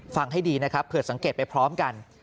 ให้ดีนะครับเผื่อสังเกตไปพร้อมกัน